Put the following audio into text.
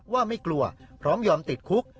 ว่าไม่กลัวพร้อมยอมติดคุก